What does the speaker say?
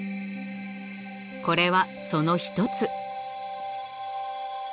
これはその一つ。